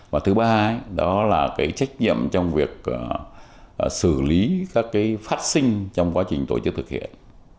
và thứ ba đó là cái trách nhiệm trong việc xử lý các cái phát sinh trong quá trình tổ chức thực hiện